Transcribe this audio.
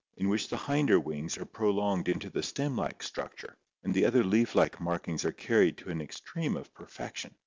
37) in which the hinder wings are prolonged into the stem like structure, and the other leaf like markings are carried to an extreme of perfection.